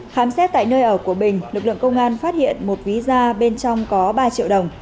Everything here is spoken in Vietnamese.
khám xét tại nơi ở của bình lực lượng công an phát hiện một ví da bên trong có ba triệu đồng